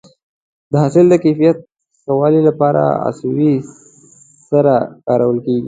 د حاصل د کیفیت ښه والي لپاره عضوي سرې کارول کېږي.